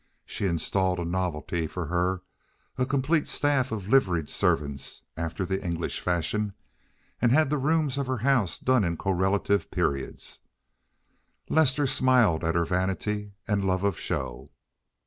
She installed a novelty for her, a complete staff of liveried servants, after the English fashion, and had the rooms of her house done in correlative periods. Lester smiled at her vanity and love of show.